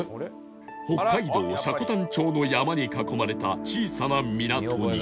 北海道積丹町の山に囲まれた小さな港に